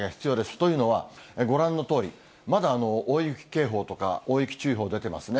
というのは、ご覧のとおり、まだ大雪警報とか大雪注意報出てますね。